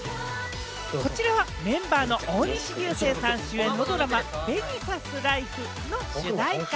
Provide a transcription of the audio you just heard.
こちらはメンバーの大西流星さん主演のドラマ『紅さすライフ』の主題歌。